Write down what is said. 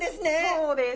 そうです。